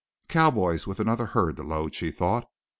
Cowboys in with another herd to load, she thought.